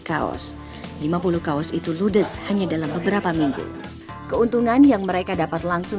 kaos lima puluh kaos itu ludes hanya dalam beberapa minggu keuntungan yang mereka dapat langsung